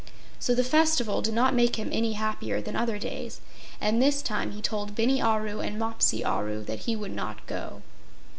So the festival did not make him any happier than other days, and this time he told Bini Aru and Mopsi Aru that he would not go.